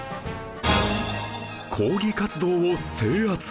抗議活動を制圧